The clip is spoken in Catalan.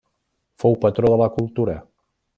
Fou patró de la cultura.